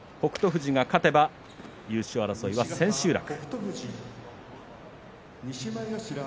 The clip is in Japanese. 富士が勝てば優勝争いは千秋楽。